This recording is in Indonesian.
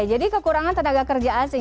jadi kekurangan tenaga kerja asing